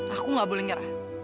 aku nggak boleh nyerah